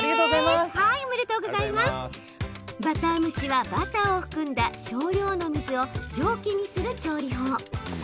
バター蒸しはバターを含んだ少量の水を蒸気にする調理法。